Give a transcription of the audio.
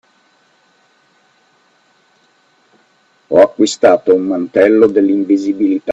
Ho acquistato un mantello dell'invisibilità.